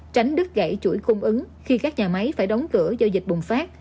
tránh đứt gãy chuỗi cung ứng khi các nhà máy phải đóng cửa do dịch bùng phát